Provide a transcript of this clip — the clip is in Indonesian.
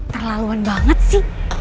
terlaluan banget sih